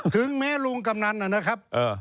ถึงแม้ลุงกำนันนะครับ